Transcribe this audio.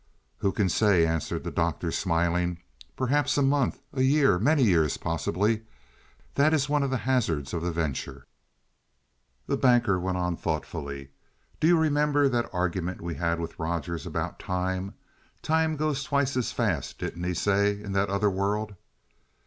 "Who can say?" answered the Doctor smiling. "Perhaps a month a year many years possibly. That is one of the hazards of the venture." The Banker went on thoughtfully. "Do you remember that argument we had with Rogers about time? Time goes twice as fast, didn't he say, in that other world?"